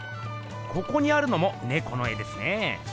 ここにあるのも猫の絵ですね。